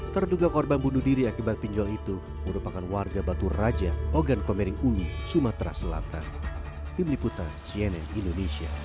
terduga korban bunuh diri akibat pinjol itu merupakan warga batu raja ogan komering ulu sumatera selatan